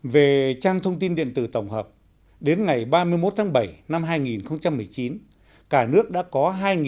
về trang thông tin điện tử tổng hợp đến ngày ba mươi một tháng bảy năm hai nghìn một mươi chín cả nước đã có hai bảy trăm hai mươi hai